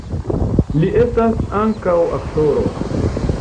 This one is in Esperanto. Li estas ankaŭ aktoro.